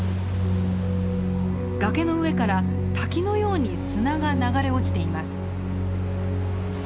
崖の上から滝のように砂が流れ落ちています。